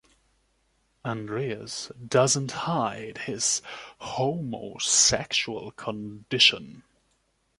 Andreas doesn't hide his homosexual condition.